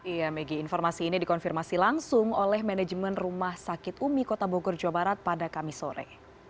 iya megi informasi ini dikonfirmasi langsung oleh manajemen rumah sakit umi kota bogor jawa barat pada kamis sore